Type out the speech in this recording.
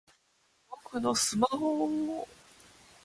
僕のスマホぉぉぉ！